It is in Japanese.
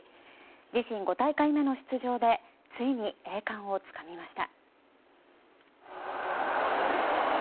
自身５大会目の出場でついに栄冠をつかみました。